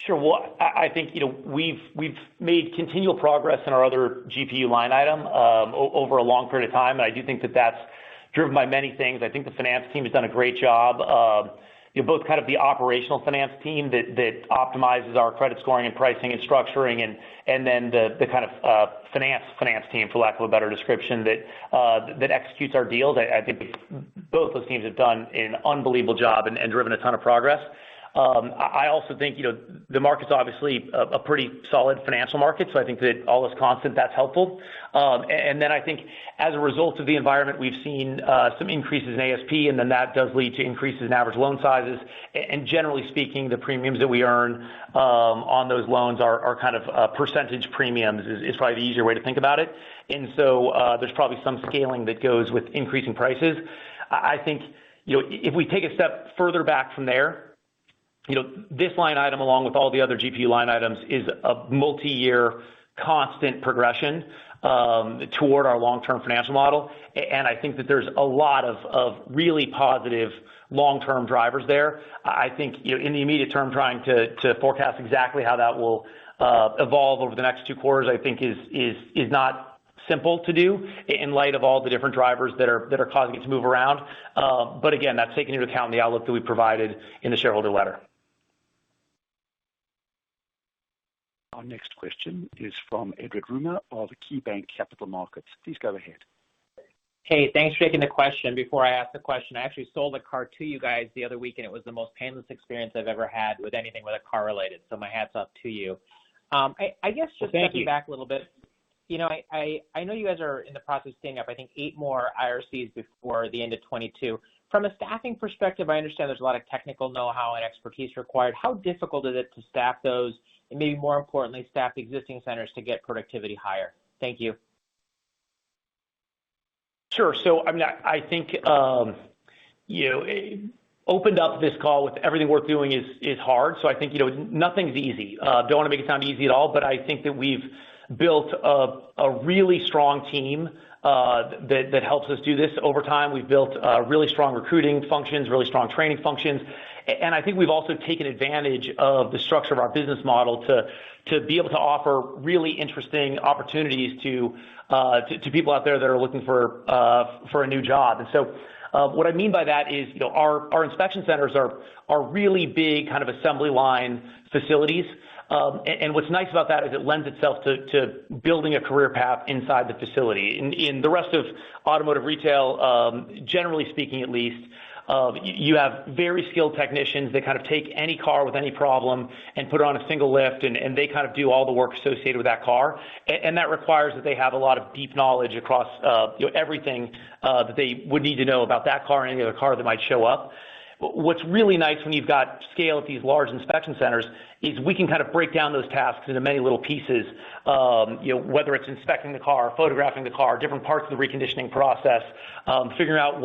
Sure. Well, I think we've made continual progress in our other GPU line item over a long period of time. I do think that that's driven by many things. I think the finance team has done a great job of both the operational finance team that optimizes our credit scoring and pricing and structuring and then the finance team, for lack of a better description, that executes our deals. I think both those teams have done an unbelievable job and driven a ton of progress. I also think the market's obviously a pretty solid financial market, so I think that all is constant, that's helpful. Then I think as a result of the environment, we've seen some increases in ASP, and then that does lead to increases in average loan sizes. Generally speaking, the premiums that we earn on those loans are percentage premiums is probably the easier way to think about it. There's probably some scaling that goes with increasing prices. I think if we take a step further back from there, this line item, along with all the other GPU line items, is a multi-year constant progression toward our long-term financial model. I think that there's a lot of really positive long-term drivers there. I think in the immediate term, trying to forecast exactly how that will evolve over the next two quarters, I think is not simple to do in light of all the different drivers that are causing it to move around. Again, that's taking into account the outlook that we provided in the shareholder letter. Our next question is from Edward Yruma of KeyBanc Capital Markets. Please go ahead. Hey, thanks for taking the question. Before I ask the question, I actually sold a car to you guys the other week, and it was the most painless experience I've ever had with anything with a car related. My hat's off to you. Thank you. I guess just stepping back a little bit. I know you guys are in the process of standing up, I think, eight more IRCs before the end of 2022. From a staffing perspective, I understand there's a lot of technical know-how and expertise required. How difficult is it to staff those, and maybe more importantly, staff existing centers to get productivity higher? Thank you. Sure. I think, opened up this call with everything worth doing is hard. I think nothing's easy. Don't want to make it sound easy at all, but I think that we've built a really strong team that helps us do this over time. We've built really strong recruiting functions, really strong training functions. I think we've also taken advantage of the structure of our business model to be able to offer really interesting opportunities to people out there that are looking for a new job. What I mean by that is our inspection centers are really big assembly line facilities. What's nice about that is it lends itself to building a career path inside the facility. In the rest of automotive retail, generally speaking at least, you have very skilled technicians that take any car with any problem and put it on a single lift, and they do all the work associated with that car. That requires that they have a lot of deep knowledge across everything that they would need to know about that car and any other car that might show up. What's really nice when you've got scale at these large inspection centers is we can break down those tasks into many little pieces, whether it's inspecting the car, photographing the car, different parts of the reconditioning process, figuring out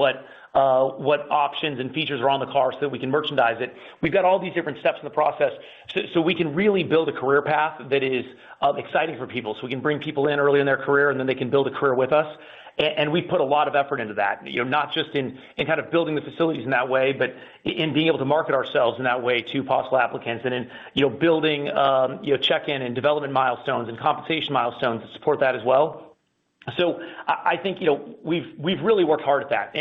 what options and features are on the car so that we can merchandise it. We've got all these different steps in the process so we can really build a career path that is exciting for people. We can bring people in early in their career, and then they can build a career with us. We put a lot of effort into that, not just in building the facilities in that way, but in being able to market ourselves in that way to possible applicants and in building check-in and development milestones and compensation milestones to support that as well. I think we've really worked hard at that.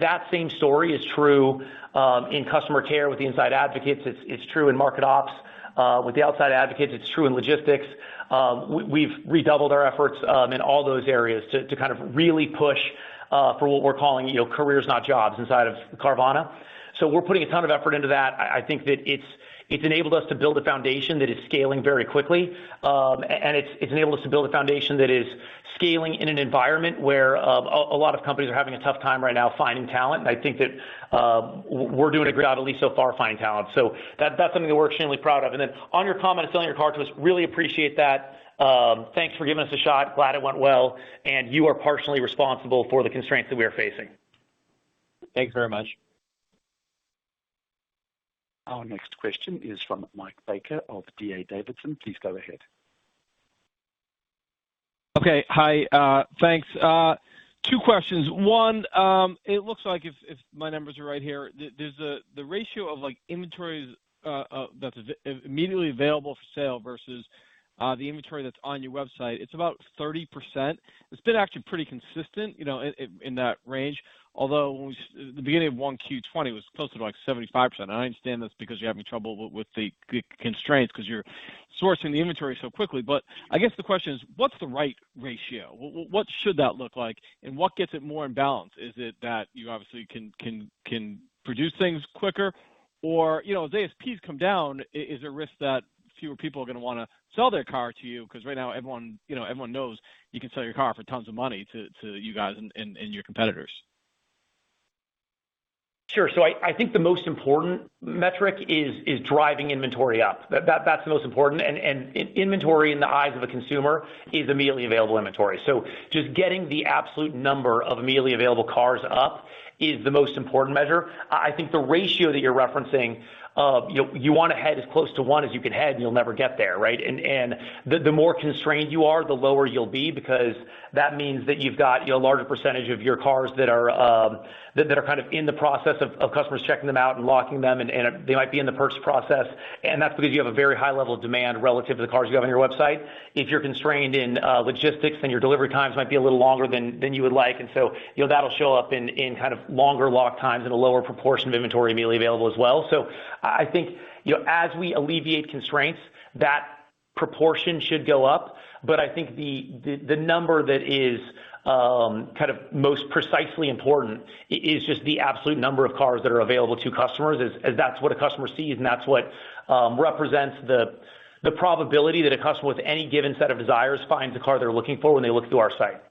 That same story is true in customer care with the inside advocates, it's true in market ops with the outside advocates, it's true in logistics. We've redoubled our efforts in all those areas to really push for what we're calling careers, not jobs inside of Carvana. We're putting a ton of effort into that. I think that it's enabled us to build a foundation that is scaling very quickly. It's enabled us to build a foundation that is scaling in an environment where a lot of companies are having a tough time right now finding talent. I think that we're doing a great job, at least so far, finding talent. That's something that we're extremely proud of. Then on your comment on selling your car to us, really appreciate that. Thanks for giving us a shot. Glad it went well. You are partially responsible for the constraints that we are facing. Thanks very much. Our next question is from Mike Baker of D.A. Davidson. Please go ahead. Okay. Hi. Thanks. Two questions. One, it looks like if my numbers are right here, there's the ratio of inventory that's immediately available for sale versus the inventory that's on your website, it's about 30%. It's been actually pretty consistent in that range, although at the beginning of 1Q 2020, it was closer to 75%. I understand that's because you're having trouble with the constraints because you're sourcing the inventory so quickly. I guess the question is what's the right ratio? What should that look like? What gets it more in balance? Is it that you obviously can produce things quicker? As ASPs come down, is there a risk that fewer people are going to want to sell their car to you? Right now everyone knows you can sell your car for tons of money to you guys and your competitors. Sure. I think the most important metric is driving inventory up. That's the most important, and inventory in the eyes of a consumer is immediately available inventory. Just getting the absolute number of immediately available cars up is the most important measure. I think the ratio that you're referencing, you want to head as close to one as you can head, and you'll never get there, right? The more constrained you are, the lower you'll be because that means that you've got a larger percentage of your cars that are in the process of customers checking them out and locking them, and they might be in the purchase process. That's because you have a very high level of demand relative to the cars you have on your website. If you're constrained in logistics, then your delivery times might be a little longer than you would like. That'll show up in longer lock times and a lower proportion of inventory immediately available as well. I think as we alleviate constraints, that proportion should go up. I think the number that is most precisely important is just the absolute number of cars that are available to customers, as that's what a customer sees, and that's what represents the probability that a customer with any given set of desires finds the car they're looking for when they look through our site.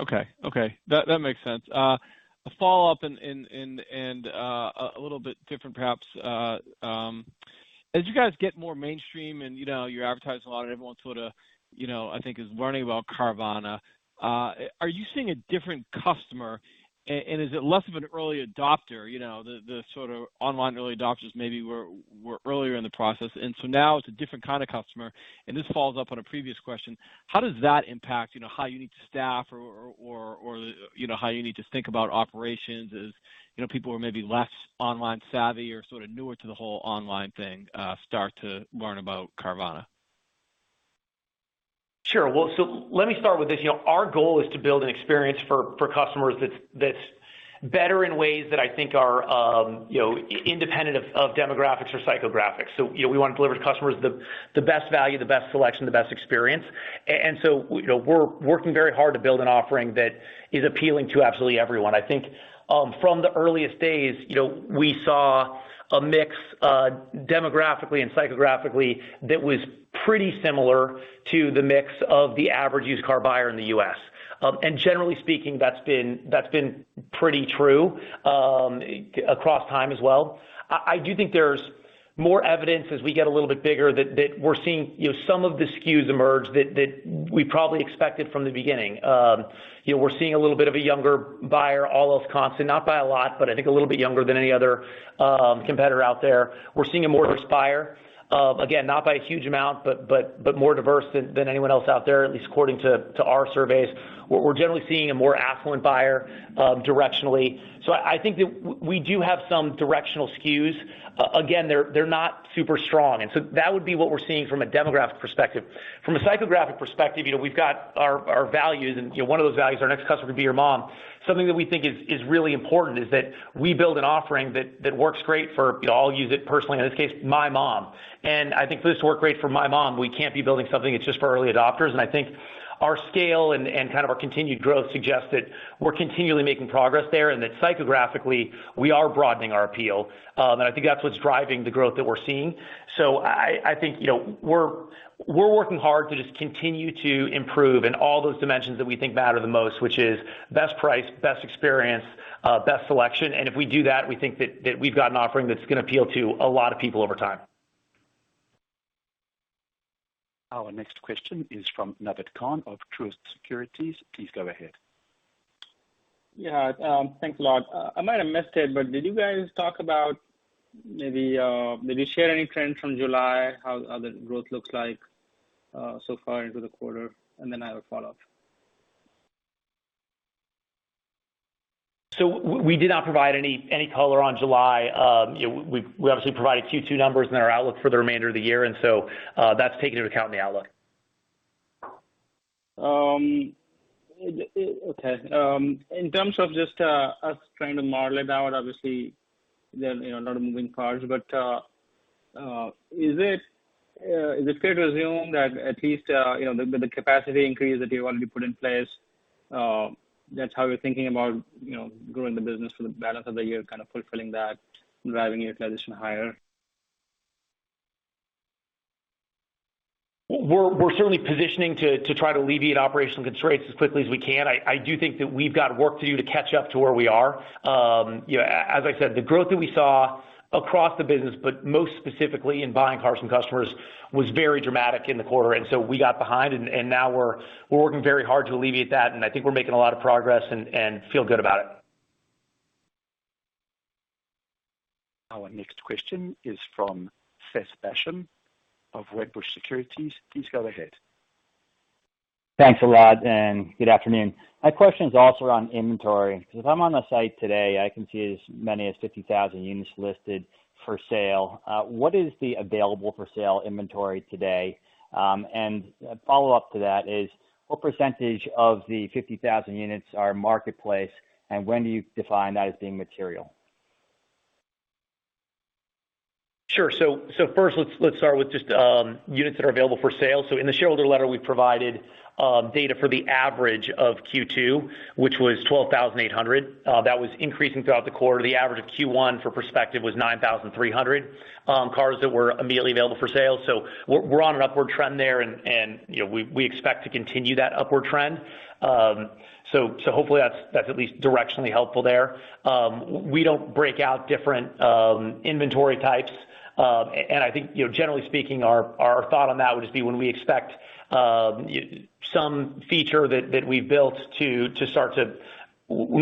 Okay. That makes sense. A follow-up and a little bit different perhaps. As you guys get more mainstream and you're advertising a lot and everyone sort of, I think is learning about Carvana, are you seeing a different customer? Is it less of an early adopter? The sort of online early adopters maybe were earlier in the process. Now it's a different kind of customer. This follows up on a previous question, how does that impact how you need to staff or how you need to think about operations as people who are maybe less online savvy or sort of newer to the whole online thing start to learn about Carvana? Sure. Well, let me start with this. Our goal is to build an experience for customers that's better in ways that I think are independent of demographics or psychographics. We want to deliver to customers the best value, the best selection, the best experience. We're working very hard to build an offering that is appealing to absolutely everyone. I think from the earliest days, we saw a mix demographically and psychographically that was pretty similar to the mix of the average used car buyer in the U.S. Generally speaking, that's been pretty true across time as well. I do think there's more evidence as we get a little bit bigger that we're seeing some of the skews emerge that we probably expected from the beginning. We're seeing a little bit of a younger buyer, all else constant, not by a lot, but I think a little bit younger than any other competitor out there. We're seeing a more diverse buyer. Not by a huge amount, but more diverse than anyone else out there, at least according to our surveys. We're generally seeing a more affluent buyer directionally. I think that we do have some directional skews. They're not super strong. That would be what we're seeing from a demographic perspective. From a psychographic perspective, we've got our values, and one of those values, our next customer could be your mom. Something that we think is really important is that we build an offering that works great for, I'll use it personally, in this case, my mom. I think for this to work great for my mom, we can't be building something that's just for early adopters. I think our scale and our continued growth suggests that we're continually making progress there, and that psychographically, we are broadening our appeal. I think that's what's driving the growth that we're seeing. I think we're working hard to just continue to improve in all those dimensions that we think matter the most, which is best price, best experience, best selection. If we do that, we think that we've got an offering that's going to appeal to a lot of people over time. Our next question is from Naved Khan of Truist Securities. Please go ahead. Yeah. Thanks a lot. I might have missed it, did you share any trends from July? How the growth looks like so far into the quarter? I have a follow-up. We did not provide any color on July. We obviously provided Q2 numbers in our outlook for the remainder of the year, that's taken into account in the outlook. Okay. In terms of just us trying to model it out, obviously, there are a lot of moving parts, but is it fair to assume that at least, with the capacity increase that you want to be put in place, that's how you're thinking about growing the business for the balance of the year, kind of fulfilling that and driving your acquisition higher? We're certainly positioning to try to alleviate operational constraints as quickly as we can. I do think that we've got work to do to catch up to where we are. As I said, the growth that we saw across the business, but most specifically in buying cars from customers, was very dramatic in the quarter, and so we got behind, and now we're working very hard to alleviate that, and I think we're making a lot of progress and feel good about it. Our next question is from Seth Basham of Wedbush Securities. Please go ahead. Thanks a lot, and good afternoon. My question is also on inventory, because if I'm on the site today, I can see as many as 50,000 units listed for sale. What is the available-for-sale inventory today? Follow-up to that is what percentage of the 50,000 units are marketplace, and when do you define that as being material? Sure. First, let's start with just units that are available for sale. In the shareholder letter, we provided data for the average of Q2, which was 12,800. That was increasing throughout the quarter. The average of Q1, for perspective, was 9,300 cars that were immediately available for sale. We're on an upward trend there, and we expect to continue that upward trend. Hopefully that's at least directionally helpful there. We don't break out different inventory types. I think, generally speaking, our thought on that would just be When we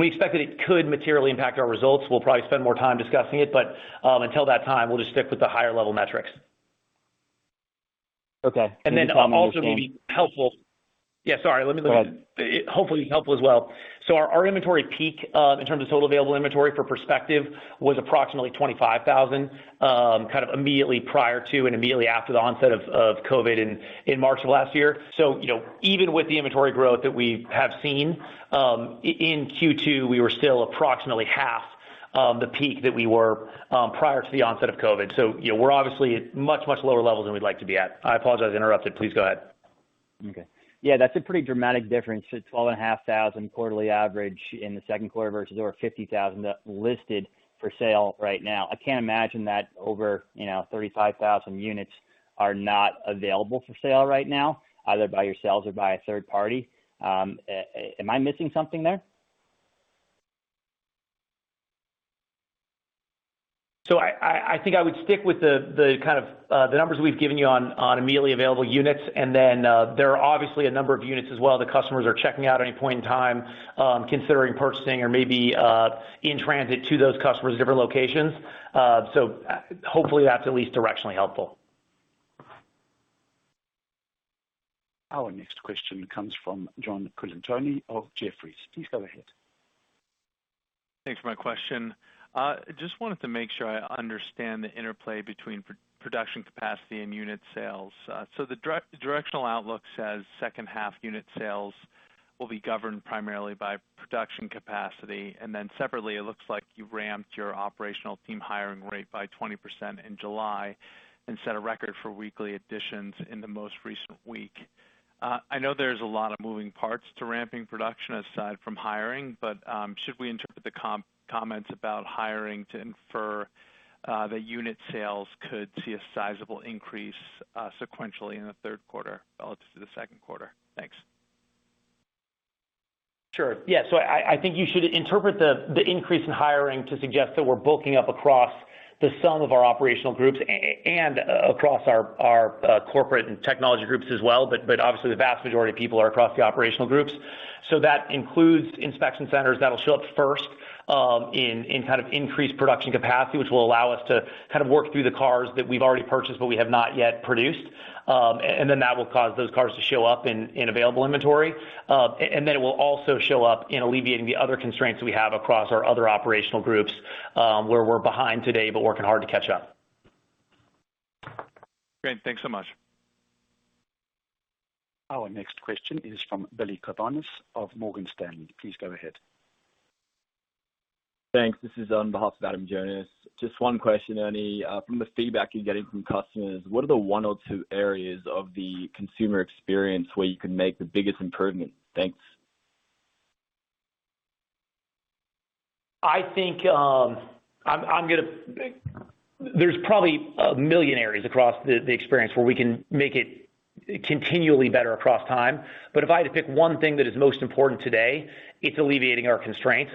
expect that it could materially impact our results, we'll probably spend more time discussing it. Until that time, we'll just stick with the higher-level metrics. Okay. Also it would be helpful. Yeah, sorry. Go ahead. Hopefully helpful as well. Our inventory peak in terms of total available inventory, for perspective, was approximately 25,000, immediately prior to and immediately after the onset of COVID in March of last year. Even with the inventory growth that we have seen, in Q2, we were still approximately half of the peak that we were prior to the onset of COVID. We're obviously at much, much lower levels than we'd like to be at. I apologize, I interrupted. Please go ahead. Okay. Yeah, that's a pretty dramatic difference to 12,500 quarterly average in the second quarter versus over 50,000 that's listed for sale right now. I can't imagine that over 35,000 units are not available for sale right now, either by yourselves or by a third party. Am I missing something there? I think I would stick with the numbers we've given you on immediately available units, and then there are obviously a number of units as well that customers are checking out at any point in time, considering purchasing or maybe in transit to those customers at different locations. Hopefully that's at least directionally helpful. Our next question comes from John Colantuoni of Jefferies. Please go ahead. Thanks for my question. Just wanted to make sure I understand the interplay between production capacity and unit sales. The directional outlook says second-half unit sales will be governed primarily by production capacity, and then separately, it looks like you've ramped your operational team hiring rate by 20% in July and set a record for weekly additions in the most recent week. I know there's a lot of moving parts to ramping production aside from hiring, but should we interpret the comments about hiring to infer that unit sales could see a sizable increase sequentially in the third quarter relative to the second quarter? Thanks. Sure. Yeah. I think you should interpret the increase in hiring to suggest that we're bulking up across the sum of our operational groups and across our corporate and technology groups as well. Obviously, the vast majority of people are across the operational groups. That includes inspection centers that'll show up first in increased production capacity, which will allow us to work through the cars that we've already purchased but we have not yet produced. That will cause those cars to show up in available inventory. It will also show up in alleviating the other constraints we have across our other operational groups, where we're behind today, but working hard to catch up. Great. Thanks so much. Our next question is from Billy Kovanis of Morgan Stanley. Please go ahead. Thanks. This is on behalf of Adam Jonas. Just one question, Ernie. From the feedback you're getting from customers, what are the one or two areas of the consumer experience where you can make the biggest improvement? Thanks. There's probably a million areas across the experience where we can make it continually better across time. If I had to pick one thing that is most important today, it's alleviating our constraints.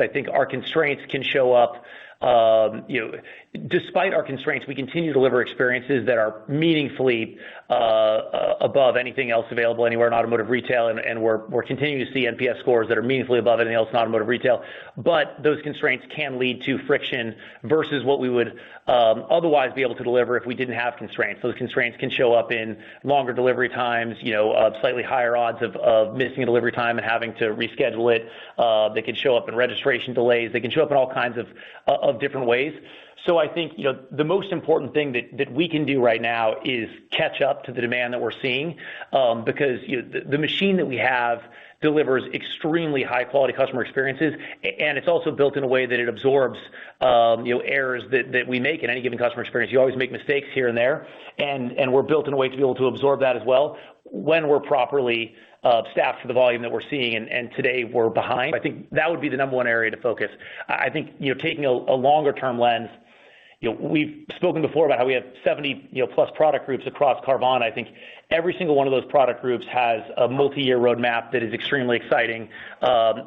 Despite our constraints, we continue to deliver experiences that are meaningfully above anything else available anywhere in automotive retail, and we're continuing to see NPS scores that are meaningfully above anything else in automotive retail. Those constraints can lead to friction versus what we would otherwise be able to deliver if we didn't have constraints. Those constraints can show up in longer delivery times, slightly higher odds of missing a delivery time and having to reschedule it. They can show up in registration delays. They can show up in all kinds of different ways. I think, the most important thing that we can do right now is catch up to the demand that we're seeing. Because the machine that we have delivers extremely high-quality customer experiences, and it's also built in a way that it absorbs errors that we make in any given customer experience. You always make mistakes here and there, and we're built in a way to be able to absorb that as well when we're properly staffed for the volume that we're seeing. Today, we're behind. I think that would be the number one area to focus. I think, taking a longer-term lens, we've spoken before about how we have 70 plus product groups across Carvana. I think every single one of those product groups has a multi-year roadmap that is extremely exciting,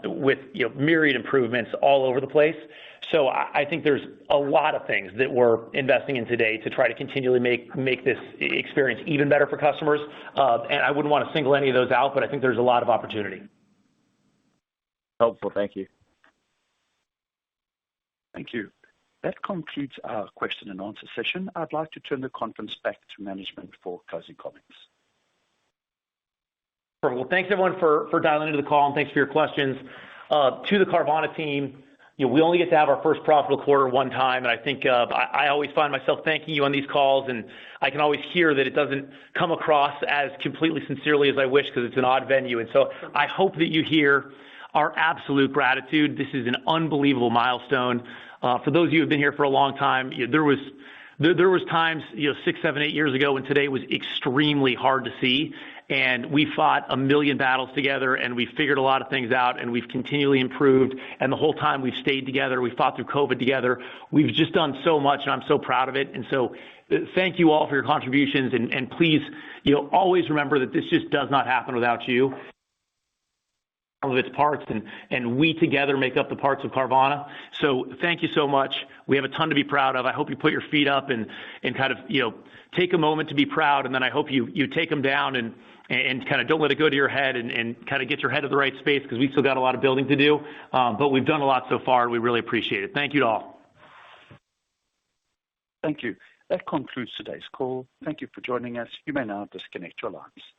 with myriad improvements all over the place. I think there's a lot of things that we're investing in today to try to continually make this experience even better for customers. I wouldn't want to single any of those out, but I think there's a lot of opportunity. Helpful. Thank you. Thank you. That concludes our question and answer session. I'd like to turn the conference back to management for closing comments. Sure. Well, thanks everyone for dialing into the call, and thanks for your questions. To the Carvana team, we only get to have our first profitable quarter one time, and I think I always find myself thanking you on these calls, and I can always hear that it doesn't come across as completely sincerely as I wish because it's an odd venue. I hope that you hear our absolute gratitude. This is an unbelievable milestone. For those of you who've been here for a long time, there was times six, seven, eight, years ago when today was extremely hard to see. We fought a million battles together, and we figured a lot of things out, and we've continually improved. The whole time we've stayed together, we fought through COVID-19 together. We've just done so much, and I'm so proud of it. Thank you all for your contributions, and please, always remember that this just does not happen without you. All of its parts and we together make up the parts of Carvana. Thank you so much. We have a ton to be proud of. I hope you put your feet up and take a moment to be proud, and then I hope you take them down and don't let it go to your head and get your head in the right space because we've still got a lot of building to do. We've done a lot so far, and we really appreciate it. Thank you to all. Thank you. That concludes today's call. Thank you for joining us. You may now disconnect your lines.